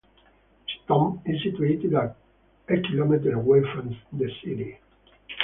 His tomb is situated a kilometer away from city.